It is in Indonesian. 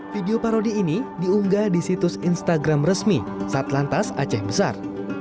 video parodi ini diunggah di situs instagram resmi saat lantas aceh besar